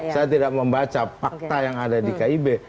saya tidak membaca fakta yang ada di kib